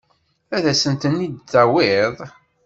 Ad asent-ten-id-tawiḍ?